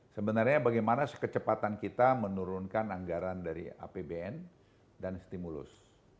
sebenarnya bagaimana sekecepatan kita menurunkan anggaran dari apbn dan stimulus